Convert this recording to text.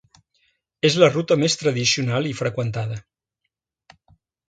És la ruta més tradicional i freqüentada.